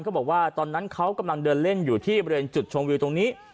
บอกว่าตอนนั้นเขากำลังเดินเล่นอยู่ที่บริเวณจุดชมวิวตรงนี้